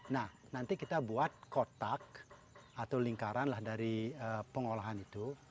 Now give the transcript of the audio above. nah nanti kita buat kotak atau lingkaran lah dari pengolahan itu